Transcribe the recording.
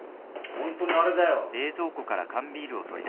ホントにあれだよ。